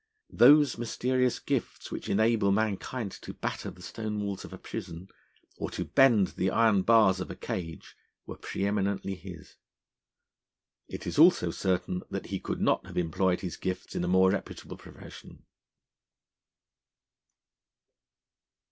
Those mysterious gifts which enable mankind to batter the stone walls of a prison, or to bend the iron bars of a cage, were pre eminently his. It is also certain that he could not have employed his gifts in a more reputable profession.